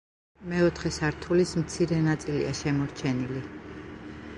მეოთხე სართულის მცირე ნაწილია შემორჩენილი.